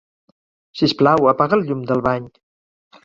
Sisplau, apaga el llum del bany.